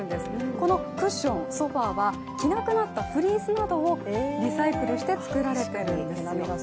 このクッション、ソファーは着なくなったフリースなどをリサイクルして作られているんですよ。